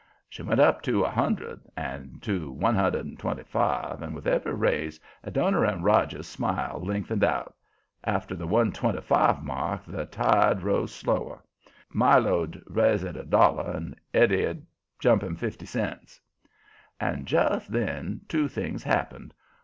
She went up to a hundred, then to one hundred and twenty five, and with every raise Adoniram Roger's smile lengthened out. After the one twenty five mark the tide rose slower. Milo'd raise it a dollar and Eddie'd jump him fifty cents. And just then two things happened.